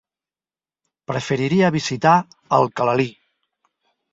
Preferiria visitar Alcalalí.